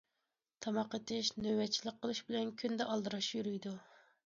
تاماق ئېتىش، نۆۋەتچىلىك قىلىش بىلەن كۈندە ئالدىراش يۈرىدۇ.